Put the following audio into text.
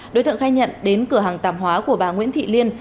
đối tượng khai nhận đến cửa hàng tạp hóa của bà nguyễn thị liên